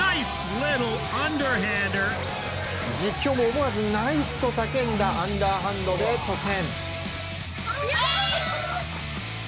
実況も思わずナイスと叫んだアンダーハンドで得点。